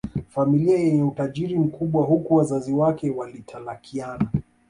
familia yenye utajiri mkubwa Huku wazazi wake walitalakiana